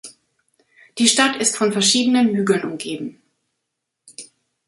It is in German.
Die Stadt ist von verschiedenen Hügeln umgeben.